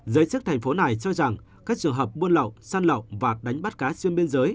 giới chức thành phố này cho rằng các trường hợp buôn lậu săn lậu và đánh bắt cá xuyên biên giới